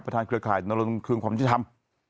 ประทานเครือข่าวลงคลิมความจิตรรรม